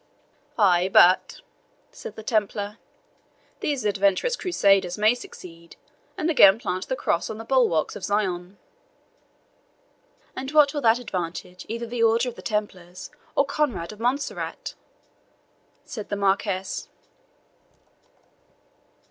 "Ay, but," said the Templar, "these adventurous Crusaders may succeed, and again plant the Cross on the bulwarks of Zion." "And what will that advantage either the Order of the Templars, or Conrade of Montserrat?" said the Marquis.